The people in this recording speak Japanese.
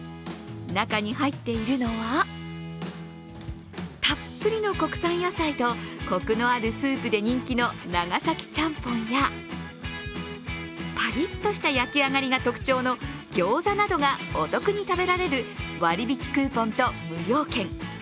中に入っているのはたっぷりの国産野菜とコクのあるスープで人気の長崎ちゃんぽんやパリッとした焼き上がりが特徴のギョーザなどがお得に食べられる割引クーポンと無料券。